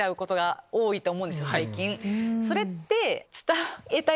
それって。